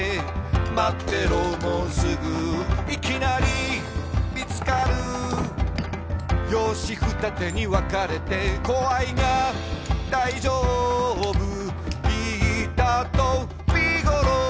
「まってろもうすぐ」「いきなり見つかる」「よーしふたてにわかれて」「怖いが大丈夫」「ビータとビーゴロー！」